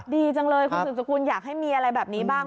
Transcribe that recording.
ดีจังเลยคุณสืบสกุลอยากให้มีอะไรแบบนี้บ้าง